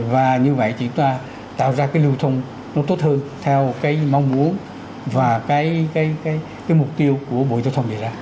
và như vậy thì chúng ta tạo ra cái lưu thông nó tốt hơn theo cái mong muốn và cái mục tiêu của bộ giáo thông việt nam